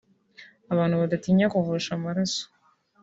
Abantu badatinya kuvusha amaraso